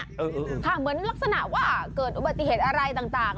เหมือนลักษณะว่าเกิดอุบัติเหตุอะไรต่าง